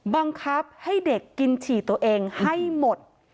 บังคับให้เด็กกินฉี่ตัวเองให้หมด